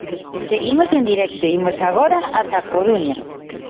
Seguimos en directo, imos agora ata a Coruña.